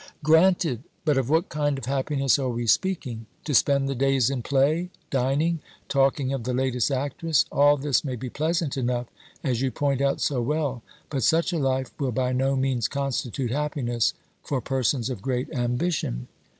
" Granted ! But of what kind of happiness are we speak ing ? To spend the days in play, dining, talking of the latest actress — all this may be pleasant enough, as you point out so well, but such a life will by no means constitute happiness for persons of great ambition."